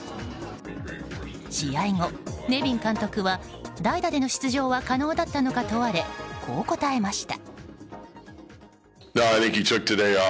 試合後、ネビン監督は代打での出場は可能だったのか問われこう答えました。